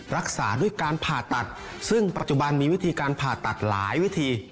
รักษาด้วยการผ่าตัดซึ่งปัจจุบันมีวิธีการผ่าตัดหลายวิธี